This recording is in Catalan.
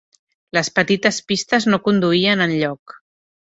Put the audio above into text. Les petites pistes no conduïen enlloc.